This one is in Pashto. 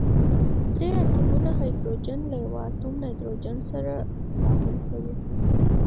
درې اتومه هایدروجن د یوه اتوم نایتروجن سره تعامل کوي.